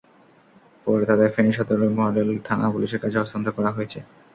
পরে তাঁদের ফেনী সদর মডেল থানা পুলিশের কাছে হস্তান্তর করা হয়েছে।